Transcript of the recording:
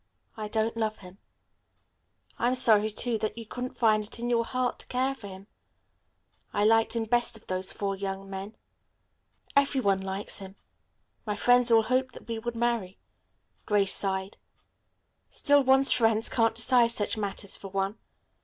I don't love him." "I'm sorry, too, that you couldn't find it in your heart to care for him. I liked him best of those four young men." "Every one likes him. My friends all hoped that we would marry." Grace sighed. "Still one's friends can't decide such matters for one.